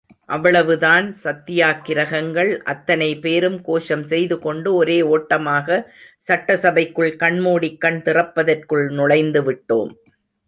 அவ்வளவுதான் சத்தியாகிரகிகள் அத்தனைபேரும் கோஷம் செய்து கொண்டு ஒரே ஓட்டமாக சட்டசபைக்குள் கண்மூடிக் கண் திறப்பதற்குள் நுழைந்துவிட்டோம்.